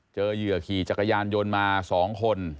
เหยื่อขี่จักรยานยนต์มา๒คน